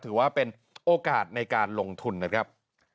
ถือว่าเป็นโอกาสในการลงทุนนะครับ